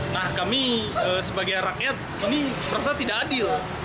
nah kami sebagai rakyat ini merasa tidak adil